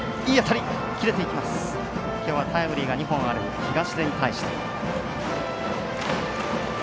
きょうはタイムリーが２本ある東出に対して。